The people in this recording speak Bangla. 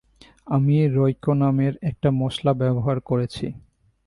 আমি রয়কো নামের একটা মশলা ব্যবহার করেছি।